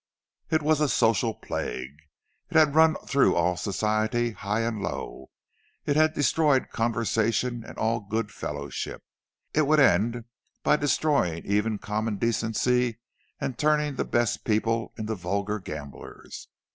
It was a social plague; it had run through all Society, high and low. It had destroyed conversation and all good fellowship—it would end by destroying even common decency, and turning the best people into vulgar gamblers.